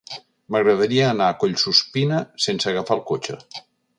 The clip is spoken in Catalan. M'agradaria anar a Collsuspina sense agafar el cotxe.